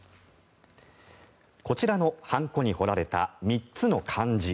こちらの判子に彫られた３つの漢字。